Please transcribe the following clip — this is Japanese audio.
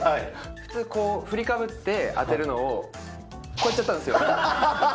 普通、こう、振りかぶって当てるのを、こうやってやったんですよ。